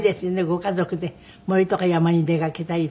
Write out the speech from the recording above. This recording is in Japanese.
ご家族で森とか山に出かけたりとか。